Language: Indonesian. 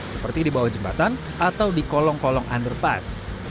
seperti di bawah jembatan atau di kolong kolong underpass